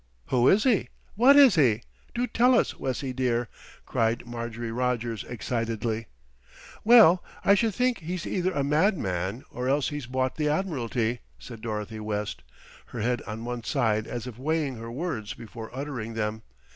"Who is he? What is he? Do tell us, Wessie, dear," cried Marjorie Rogers excitedly. "Well, I should think he's either a madman or else he's bought the Admiralty," said Dorothy West, her head on one side as if weighing her words before uttering them.